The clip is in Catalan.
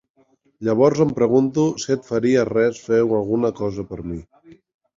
Llavors em pregunto si et faria res fer alguna cosa per mi.